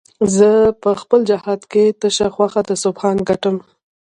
زه په خپل جهاد کې تشه خوښه د سبحان ګټم